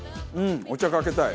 お茶かけたい。